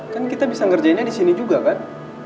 kan kita bisa ngerjainnya disini juga kan